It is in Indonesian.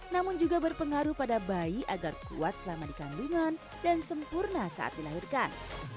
namun juga berpengaruh pada bayi agar kuat selama di kandungan dan sempurna saat dilahirkan